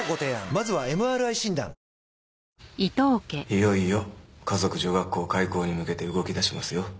いよいよ華族女学校開校に向けて動き出しますよ。